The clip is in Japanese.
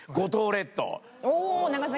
おお長崎。